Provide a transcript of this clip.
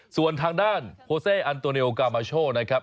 ส่วนทางด้านโฮเซ่อันโตเนลกามาโชนะครับ